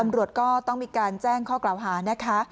ตำรวจก็ต้องมีการแจ้งข้อกล่าวหานะคะ